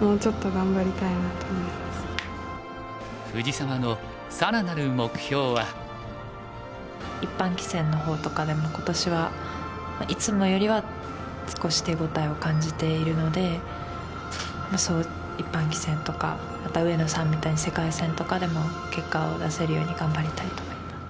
藤沢の一般棋戦の方とかでも今年はいつもよりは少し手応えを感じているのでまあ一般棋戦とかまた上野さんみたいに世界戦とかでも結果を出せるように頑張りたいと思います。